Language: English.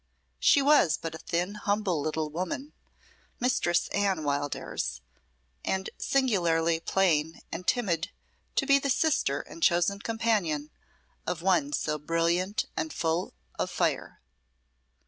She was but a thin, humble little woman Mistress Anne Wildairs and singularly plain and timid to be the sister and chosen companion of one so brilliant and full of fire.